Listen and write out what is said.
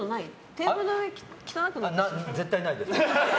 テーブルの上、汚くない？